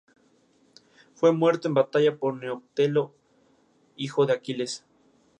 En los inviernos son frecuentes las heladas, aunque pocas veces nieva.